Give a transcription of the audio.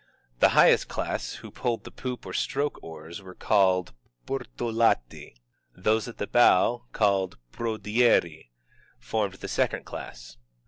The highest class, who pulled the poop or stroke oars, were called Portolati ; those at the bow, called Prodieri, formed the second class.